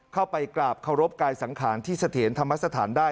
เข้าไปกราบเคารพกายสังขารที่เสถียรธรรมสถานได้